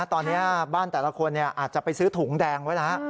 ตอนนี้บ้านแต่ละคนอาจจะไปซื้อถุงแดงไว้แล้ว